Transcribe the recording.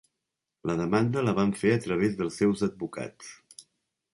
La demanda la van fer a través dels seus advocats